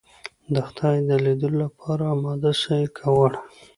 د خدای د ليدلو لپاره اماده سئ که غواړئ.